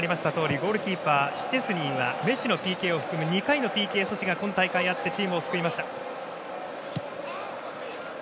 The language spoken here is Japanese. ゴールキーパーのシュチェスニーはメッシのＰＫを含む２回のＰＫ阻止が今大会あってチームを救いました。